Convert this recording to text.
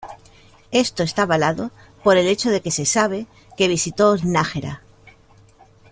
Esto está avalado por el hecho de que se sabe que visitó Nájera.